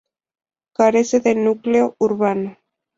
Carece de núcleo urbano.